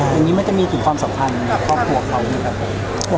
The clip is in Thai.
อย่างนี้มันจะมีสิ่งความสำคัญพวกเขากันไหมครับ